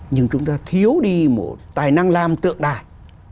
nhưng chúng ta thiếu đi một tài năng làm tượng đài